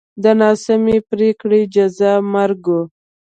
د ناسمې پرېکړې جزا مرګ و.